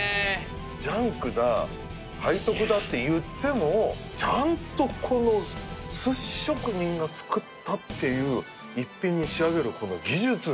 ジャンクだ背徳だっていってもちゃんとこの寿司職人が作ったっていう一品に仕上げるこの技術